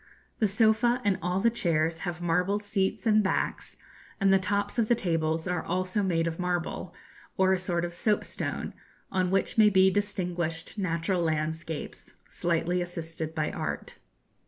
The sofa and all the chairs have marble seats and backs, and the tops of the tables are also made of marble, or a sort of soapstone, on which may be distinguished natural landscapes slightly assisted by art.